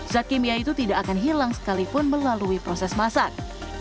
zat kimia itu tidak akan hilang sekalipun melalui proses masak